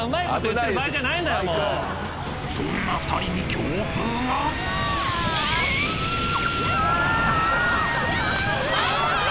［そんな２人に強風が］やだ！